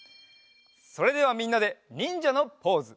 それではみんなでにんじゃのポーズ！